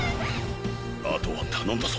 あとは頼んだぞ。